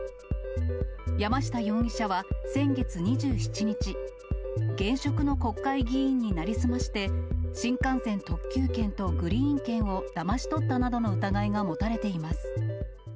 山下容疑者は先月２７日、現職の国会議員に成り済まして、新幹線特急券とグリーン券をだまし取ったなどの疑いが持たれています。